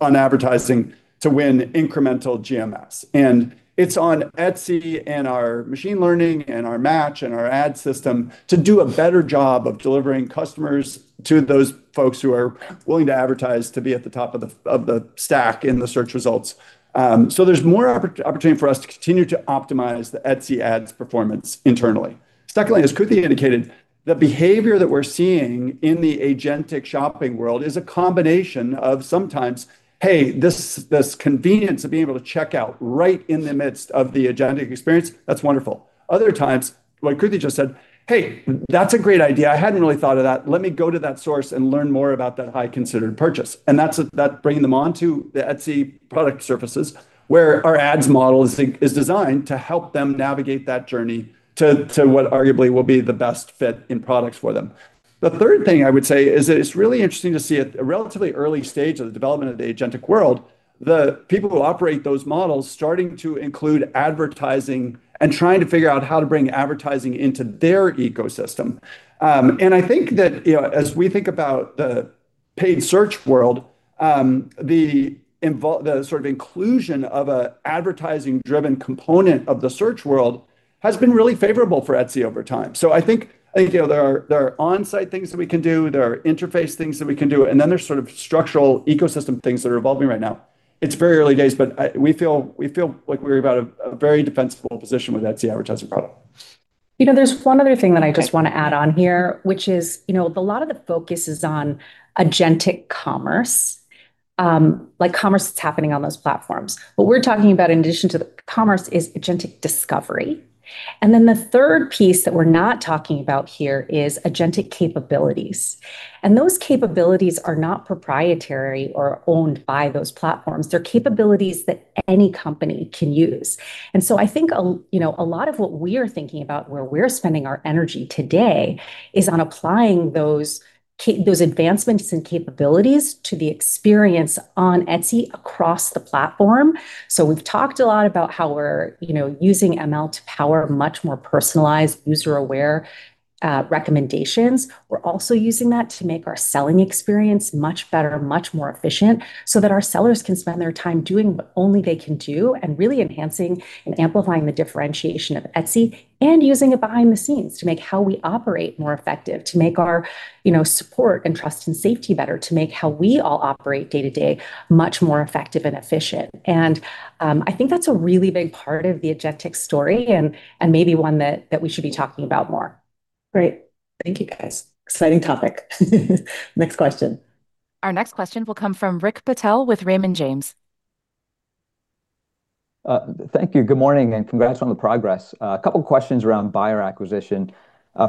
on advertising to win incremental GMS. And it's on Etsy, and our machine learning, and our match, and our ad system to do a better job of delivering customers to those folks who are willing to advertise, to be at the top of the stack in the search results. So there's more opportunity for us to continue to optimize the Etsy Ads performance internally. Secondly, as Kruti indicated, the behavior that we're seeing in the agentic shopping world is a combination of sometimes, hey, this convenience of being able to check out right in the midst of the agentic experience, that's wonderful. Other times, like Kruti just said, "Hey, that's a great idea. I hadn't really thought of that. Let me go to that source and learn more about that high considered purchase." And that's bringing them on to the Etsy product surfaces, where our ads model is designed to help them navigate that journey to what arguably will be the best fit in products for them. The third thing I would say is that it's really interesting to see at a relatively early stage of the development of the agentic world, the people who operate those models starting to include advertising and trying to figure out how to bring advertising into their ecosystem. And I think that, you know, as we think about the paid search world, the sort of inclusion of a advertising-driven component of the search world has been really favorable for Etsy over time. So I think, I think, you know, there are, there are on-site things that we can do, there are interface things that we can do, and then there's sort of structural ecosystem things that are evolving right now. It's very early days, but, we feel, we feel like we're about a, a very defensible position with Etsy advertising product. You know, there's one other thing that I just want to add on here, which is, you know, a lot of the focus is on agentic commerce, like commerce that's happening on those platforms. What we're talking about, in addition to the commerce, is agentic discovery. And then the third piece that we're not talking about here is agentic capabilities, and those capabilities are not proprietary or owned by those platforms. They're capabilities that any company can use. And so I think, you know, a lot of what we're thinking about, where we're spending our energy today, is on applying those advancements and capabilities to the experience on Etsy across the platform. So we've talked a lot about how we're, you know, using ML to power much more personalized, user-aware recommendations. We're also using that to make our selling experience much better, much more efficient, so that our sellers can spend their time doing what only they can do, and really enhancing and amplifying the differentiation of Etsy, and using it behind the scenes to make how we operate more effective, to make our, you know, support and trust and safety better, to make how we all operate day-to-day much more effective and efficient. I think that's a really big part of the agentic story and maybe one that we should be talking about more. Great. Thank you, guys. Exciting topic. Next question. Our next question will come from Rick Patel with Raymond James.... Thank you. Good morning, and congrats on the progress. A couple questions around buyer acquisition.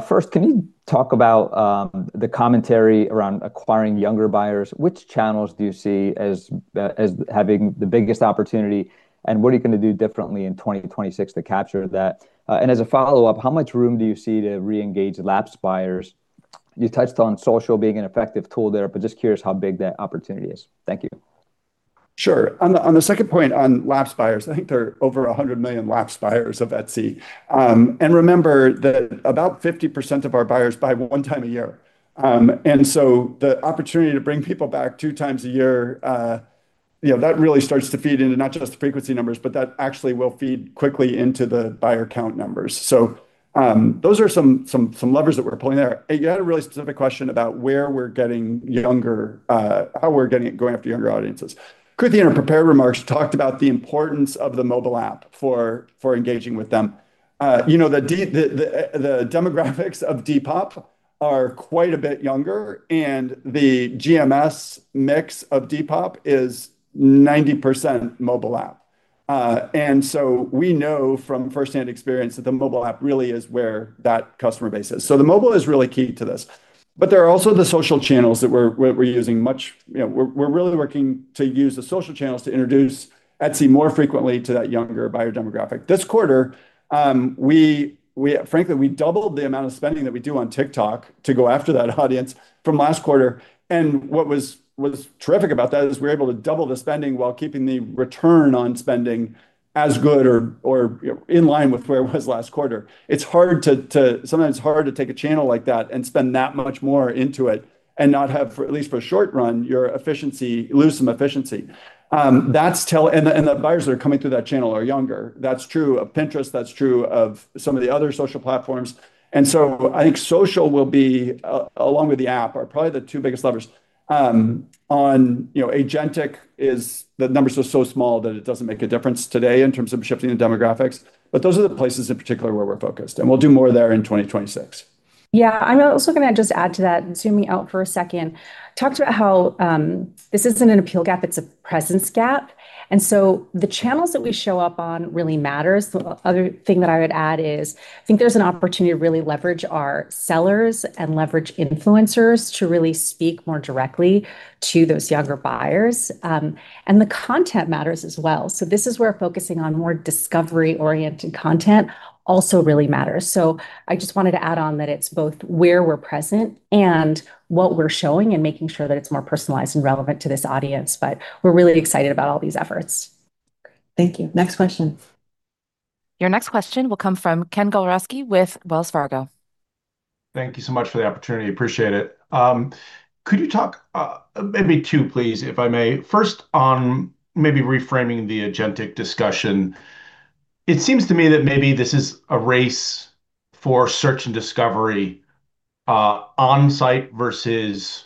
First, can you talk about the commentary around acquiring younger buyers? Which channels do you see as having the biggest opportunity, and what are you going to do differently in 2026 to capture that? As a follow-up, how much room do you see to re-engage lapsed buyers? You touched on social being an effective tool there, but just curious how big that opportunity is. Thank you. Sure. On the, on the second point, on lapsed buyers, I think there are over 100 million lapsed buyers of Etsy. And remember that about 50% of our buyers buy one time a year. And so the opportunity to bring people back two times a year, you know, that really starts to feed into not just the frequency numbers, but that actually will feed quickly into the buyer count numbers. So, those are some levers that we're pulling there. You had a really specific question about where we're getting younger, how we're getting going after younger audiences. Kruti, in her prepared remarks, talked about the importance of the mobile app for, for engaging with them. You know, the demographics of Depop are quite a bit younger, and the GMS mix of Depop is 90% mobile app. And so we know from firsthand experience that the mobile app really is where that customer base is. So the mobile is really key to this, but there are also the social channels that we're using much. You know, we're really working to use the social channels to introduce Etsy more frequently to that younger buyer demographic. This quarter, frankly, we doubled the amount of spending that we do on TikTok to go after that audience from last quarter, and what was terrific about that is we were able to double the spending while keeping the return on spending as good or, you know, in line with where it was last quarter. It's hard to, sometimes it's hard to take a channel like that and spend that much more into it and not have, for at least for a short run, your efficiency, lose some efficiency. That's tell-- and the, and the buyers that are coming through that channel are younger. That's true of Pinterest, that's true of some of the other social platforms. I think social will be, along with the app, are probably the two biggest levers. On, you know, agentic is, the numbers are so small that it doesn't make a difference today in terms of shifting the demographics, but those are the places in particular where we're focused, and we'll do more there in 2026. Yeah. I'm also going to just add to that and zooming out for a second. Talked about how this isn't an appeal gap, it's a presence gap, and so the channels that we show up on really matters. The other thing that I would add is, I think there's an opportunity to really leverage our sellers and leverage influencers to really speak more directly to those younger buyers. And the content matters as well. So this is where focusing on more discovery-oriented content also really matters. So I just wanted to add on that it's both where we're present and what we're showing, and making sure that it's more personalized and relevant to this audience, but we're really excited about all these efforts. Thank you. Next question. Your next question will come from Ken Gawrelski with Wells Fargo. Thank you so much for the opportunity. Appreciate it. Could you talk, maybe two, please, if I may. First, on maybe reframing the agentic discussion, it seems to me that maybe this is a race for search and discovery, on-site versus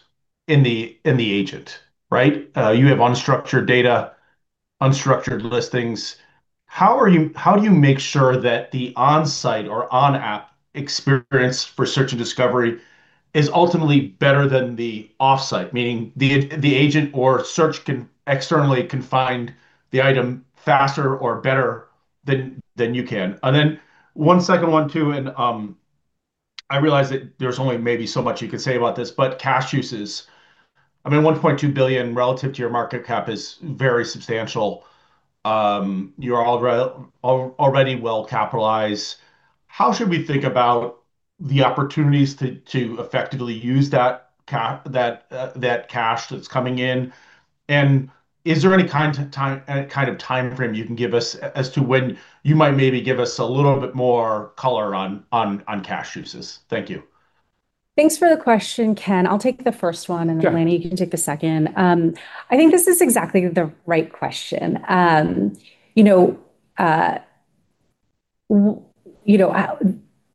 in the, in the agent, right? You have unstructured data, unstructured listings. How do you make sure that the on-site or on-app experience for search and discovery is ultimately better than the off-site? Meaning, the agent or search can externally find the item faster or better than you can. And then one second one, too, and I realize that there's only maybe so much you can say about this, but cash uses. I mean, $1.2 billion relative to your market cap is very substantial. You are already well capitalized. How should we think about the opportunities to effectively use that cash that's coming in? And is there any kind of time, any kind of timeframe you can give us as to when you might maybe give us a little bit more color on cash uses? Thank you. Thanks for the question, Ken. I'll take the first one- Sure. And then, Lanny, you can take the second. I think this is exactly the right question. You know,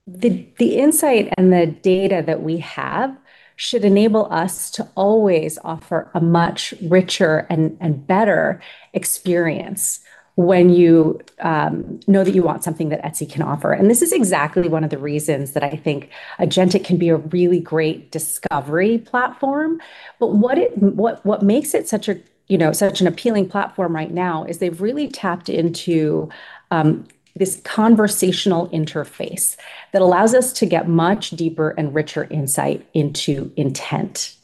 the insight and the data that we have should enable us to always offer a much richer and better experience when you know that you want something that Etsy can offer. And this is exactly one of the reasons that I think agentic can be a really great discovery platform. But what makes it such a, you know, such an appealing platform right now is they've really tapped into this conversational interface that allows us to get much deeper and richer insight into intent.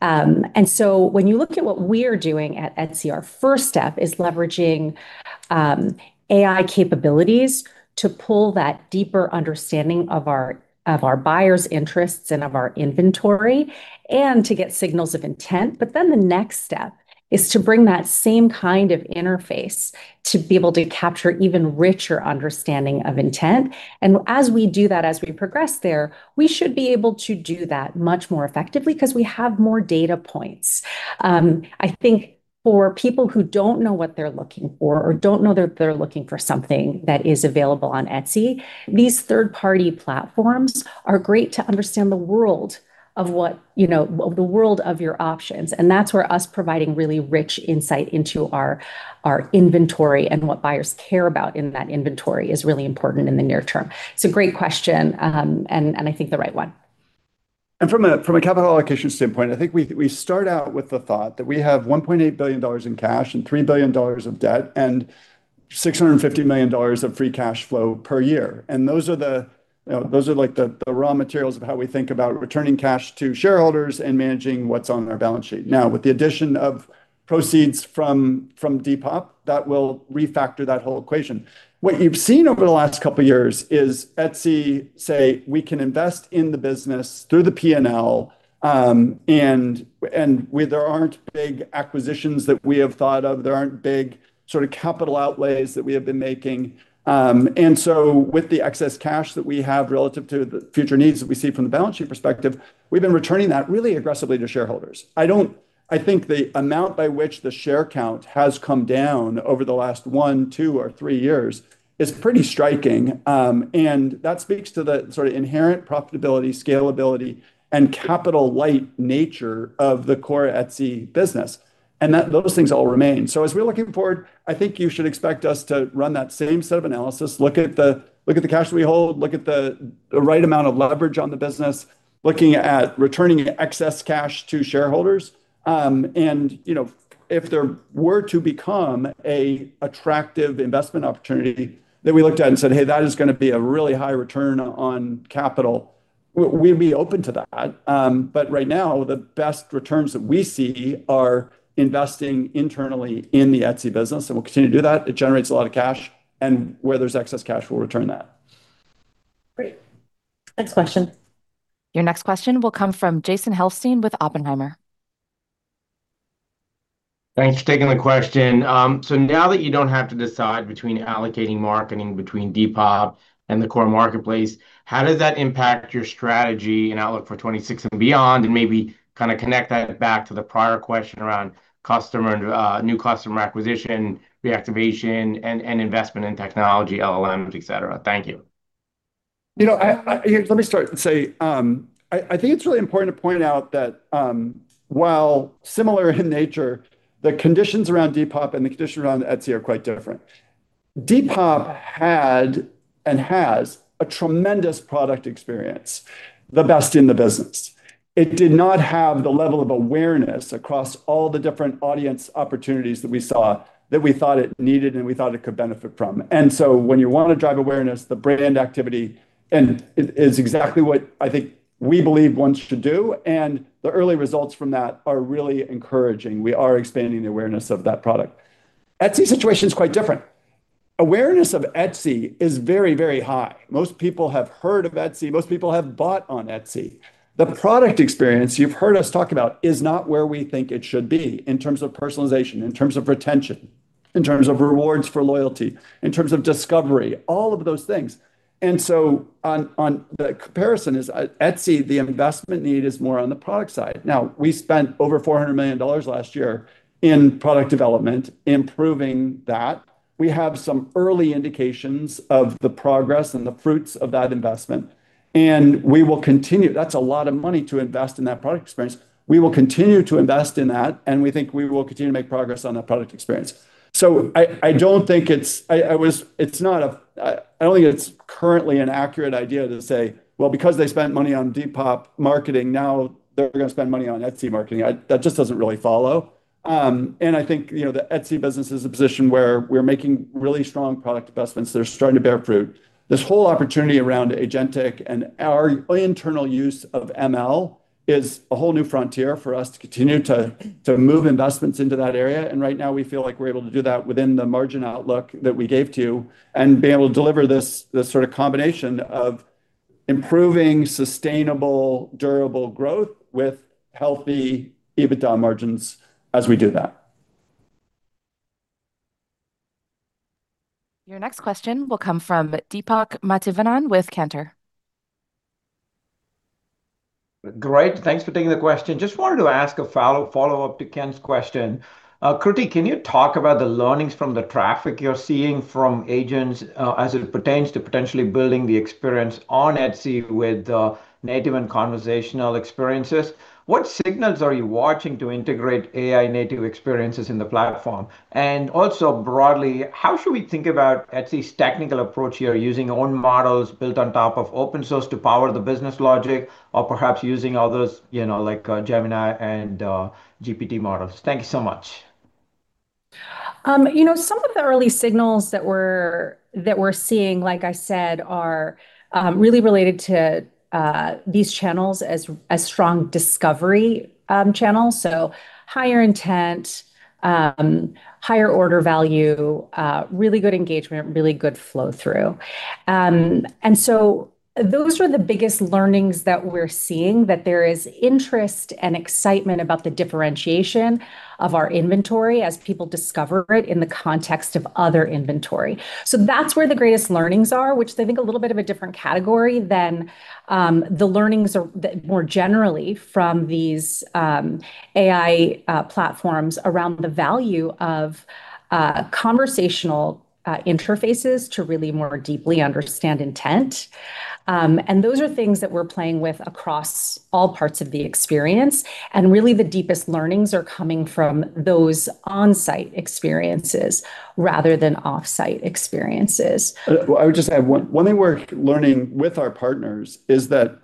And so when you look at what we're doing at Etsy, our first step is leveraging AI capabilities to pull that deeper understanding of our buyers' interests and of our inventory, and to get signals of intent. But then the next step is to bring that same kind of interface to be able to capture even richer understanding of intent. And as we do that, as we progress there, we should be able to do that much more effectively 'cause we have more data points. I think for people who don't know what they're looking for or don't know that they're looking for something that is available on Etsy, these third-party platforms are great to understand the world of what, you know, the world of your options. That's where us providing really rich insight into our inventory and what buyers care about in that inventory is really important in the near term. It's a great question, and I think the right one.... And from a capital allocation standpoint, I think we start out with the thought that we have $1.8 billion in cash, and $3 billion of debt, and $650 million of free cash flow per year. And those are like the raw materials of how we think about returning cash to shareholders and managing what's on our balance sheet. Now, with the addition of proceeds from Depop, that will refactor that whole equation. What you've seen over the last couple of years is Etsy say we can invest in the business through the P&L and where there aren't big acquisitions that we have thought of, there aren't big sort of capital outlays that we have been making. And so with the excess cash that we have relative to the future needs that we see from the balance sheet perspective, we've been returning that really aggressively to shareholders. I think the amount by which the share count has come down over the last one, two, or three years is pretty striking. And that speaks to the sort of inherent profitability, scalability, and capital light nature of the core Etsy business, and that those things all remain. So as we're looking forward, I think you should expect us to run that same set of analysis, look at the cash we hold, look at the right amount of leverage on the business, looking at returning excess cash to shareholders. And, you know, if there were to become a attractive investment opportunity that we looked at and said, "Hey, that is gonna be a really high return on capital," we'd be open to that. But right now, the best returns that we see are investing internally in the Etsy business, and we'll continue to do that. It generates a lot of cash, and where there's excess cash, we'll return that. Great! Next question. Your next question will come from Jason Helfstein with Oppenheimer. Thanks for taking the question. So now that you don't have to decide between allocating marketing between Depop and the core marketplace, how does that impact your strategy and outlook for 2026 and beyond? And maybe kind of connect that back to the prior question around customer, new customer acquisition, reactivation, and investment in technology, LLMs, et cetera. Thank you. You know, Let me start and say, I think it's really important to point out that, while similar in nature, the conditions around Depop and the conditions around Etsy are quite different. Depop had and has a tremendous product experience, the best in the business. It did not have the level of awareness across all the different audience opportunities that we saw that we thought it needed and we thought it could benefit from. And so when you want to drive awareness, the brand activity, and it is exactly what I think we believe one should do, and the early results from that are really encouraging. We are expanding the awareness of that product. Etsy situation is quite different. Awareness of Etsy is very, very high. Most people have heard of Etsy. Most people have bought on Etsy. The product experience you've heard us talk about is not where we think it should be in terms of personalization, in terms of retention, in terms of rewards for loyalty, in terms of discovery, all of those things. And so, on the comparison, is Etsy. The investment need is more on the product side. Now, we spent over $400 million last year in product development, improving that. We have some early indications of the progress and the fruits of that investment, and we will continue... That's a lot of money to invest in that product experience. We will continue to invest in that, and we think we will continue to make progress on that product experience. I don't think it's currently an accurate idea to say: Well, because they spent money on Depop marketing, now they're gonna spend money on Etsy marketing. That just doesn't really follow. And I think, you know, the Etsy business is a position where we're making really strong product investments that are starting to bear fruit. This whole opportunity around agentic and our internal use of ML is a whole new frontier for us to continue to move investments into that area, and right now we feel like we're able to do that within the margin outlook that we gave to you, and be able to deliver this sort of combination of improving sustainable, durable growth with healthy EBITDA margins as we do that. Your next question will come from Deepak Mathivanan with Cantor. Great, thanks for taking the question. Just wanted to ask a follow-up to Ken's question. Kruti, can you talk about the learnings from the traffic you're seeing from agents, as it pertains to potentially building the experience on Etsy with native and conversational experiences? What signals are you watching to integrate AI native experiences in the platform? And also, broadly, how should we think about Etsy's technical approach here, using own models built on top of open source to power the business logic, or perhaps using others, you know, like Gemini and GPT models? Thank you so much. You know, some of the early signals that we're, that we're seeing, like I said, are really related to these channels as, as strong discovery channels, so higher intent, higher order value, really good engagement, really good flow through. And so those are the biggest learnings that we're seeing, that there is interest and excitement about the differentiation of our inventory as people discover it in the context of other inventory. So that's where the greatest learnings are, which I think a little bit of a different category than the learnings are, that more generally from these AI platforms around the value of conversational interfaces to really more deeply understand intent. Those are things that we're playing with across all parts of the experience, and really, the deepest learnings are coming from those on-site experiences rather than off-site experiences. Well, I would just add, one, one thing we're learning with our partners is that,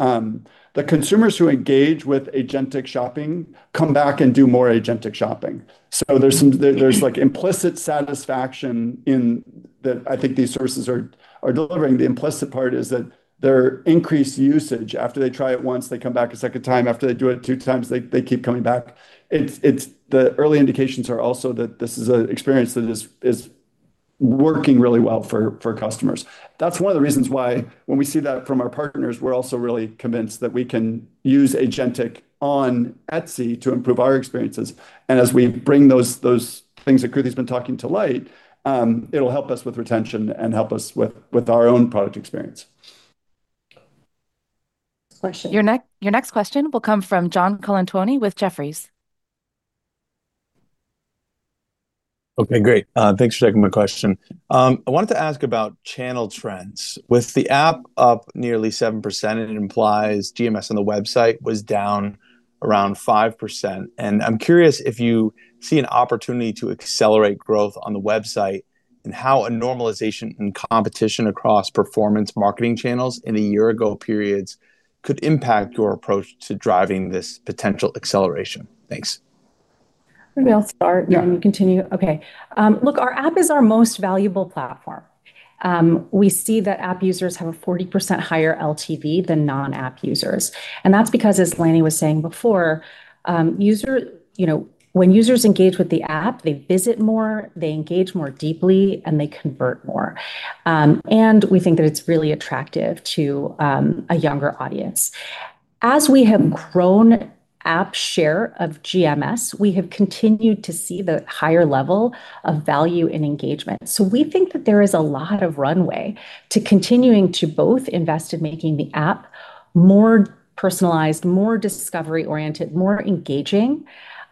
the consumers who engage with agentic shopping come back and do more agentic shopping. So there's some... there's, like, implicit satisfaction in that I think these sources are delivering. The implicit part is that their increased usage, after they try it once, they come back a second time. After they do it two times, they keep coming back. The early indications are also that this is an experience that is working really well for customers. That's one of the reasons why when we see that from our partners, we're also really convinced that we can use agentic on Etsy to improve our experiences. As we bring those, those things that Kruti's been talking to light, it'll help us with retention and help us with, with our own product experience. Question? Your next question will come from John Colantuoni with Jefferies. Okay, great. Thanks for taking my question. I wanted to ask about channel trends. With the app up nearly 7%, it implies GMS on the website was down around 5%, and I'm curious if you see an opportunity to accelerate growth on the website, and how a normalization in competition across performance marketing channels in a year ago periods could impact your approach to driving this potential acceleration? Thanks. Maybe I'll start- Yeah... and then you continue. Okay. Look, our app is our most valuable platform. We see that app users have a 40% higher LTV than non-app users, and that's because, as Lanny was saying before, you know, when users engage with the app, they visit more, they engage more deeply, and they convert more. And we think that it's really attractive to a younger audience. As we have grown app share of GMS, we have continued to see the higher level of value and engagement. So we think that there is a lot of runway to continuing to both invest in making the app more personalized, more discovery-oriented, more engaging,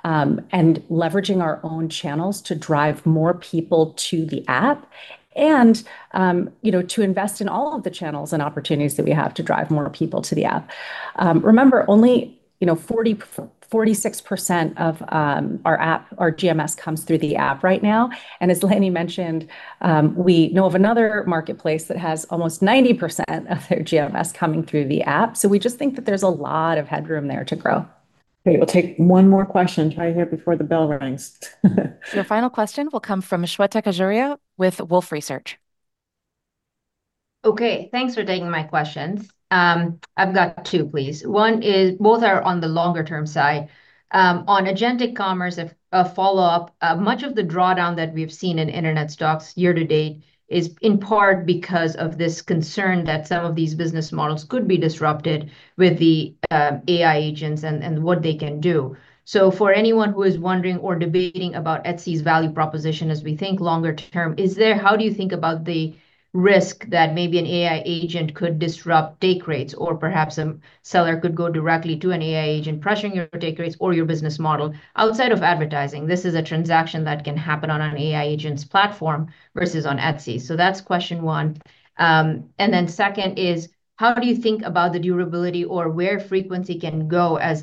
and leveraging our own channels to drive more people to the app, and, you know, to invest in all of the channels and opportunities that we have to drive more people to the app. Remember, only, you know, 46% of our GMS comes through the app right now, and as Lanny mentioned, we know of another marketplace that has almost 90% of their GMS coming through the app. So we just think that there's a lot of headroom there to grow. Great. We'll take one more question, try here before the bell rings. Your final question will come from Shweta Khajuria with Wolfe Research. Okay, thanks for taking my questions. I've got two, please. One is, both are on the longer term side. On agentic commerce, a follow-up. Much of the drawdown that we've seen in internet stocks year to date is in part because of this concern that some of these business models could be disrupted with the AI agents and what they can do. So for anyone who is wondering or debating about Etsy's value proposition as we think longer term, how do you think about the risk that maybe an AI agent could disrupt take rates, or perhaps a seller could go directly to an AI agent, pressuring your take rates or your business model? Outside of advertising, this is a transaction that can happen on an AI agent's platform versus on Etsy. So that's question one. And then second is, how do you think about the durability or where frequency can go as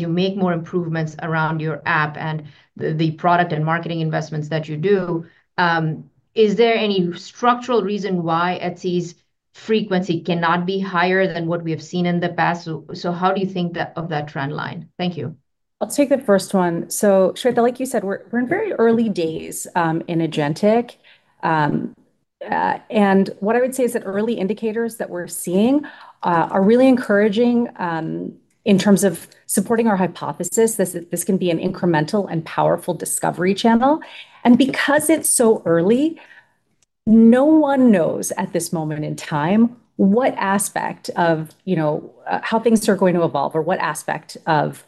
you make more improvements around your app and the product and marketing investments that you do? Is there any structural reason why Etsy's frequency cannot be higher than what we have seen in the past? So how do you think that, of that trend line? Thank you. I'll take the first one. So, Shweta, like you said, we're in very early days in agentic. And what I would say is that early indicators that we're seeing are really encouraging in terms of supporting our hypothesis. This can be an incremental and powerful discovery channel, and because it's so early, no one knows at this moment in time what aspect of, you know, how things are going to evolve or what aspect of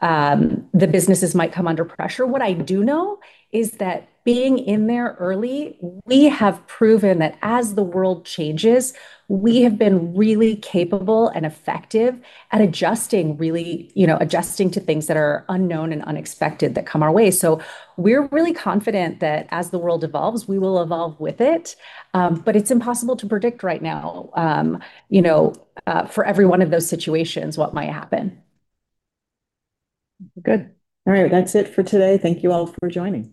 the businesses might come under pressure. What I do know is that being in there early, we have proven that as the world changes, we have been really capable and effective at adjusting, really, you know, adjusting to things that are unknown and unexpected that come our way. So we're really confident that as the world evolves, we will evolve with it. But it's impossible to predict right now, you know, for every one of those situations, what might happen. Good. All right, that's it for today. Thank you all for joining.